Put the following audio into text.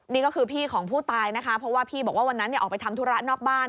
นี่ก็คือพี่ของผู้ตายนะคะเพราะว่าพี่บอกว่าวันนั้นออกไปทำธุระนอกบ้าน